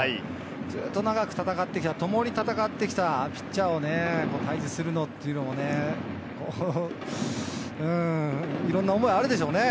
ずっと長く戦ってきた、ともに戦ってきたピッチャーとね、対峙するっていうのもね、いろんな思いがあるでしょうね。